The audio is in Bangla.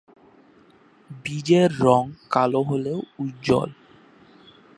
বীজের রং কালচে হলেও উজ্জ্বল।